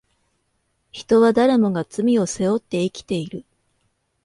人は誰もが罪を背負って生きている